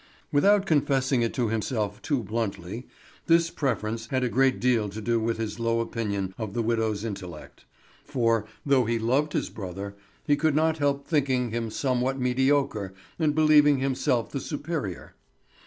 Without confessing it to himself too bluntly, this preference had a great deal to do with his low opinion of the widow's intellect; for, though he loved his brother, he could not help thinking him somewhat mediocre and believing himself the superior.